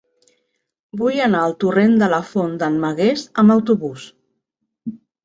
Vull anar al torrent de la Font d'en Magués amb autobús.